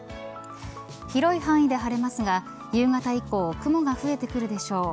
広い範囲で晴れますが夕方以降雲が増えてくるでしょう。